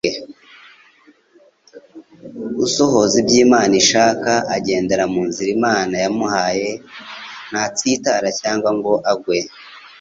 Usohoza ibyo Imana ishaka agendera mu nzira Imana yamugencye, ntasitara cyangwa ngo agwe.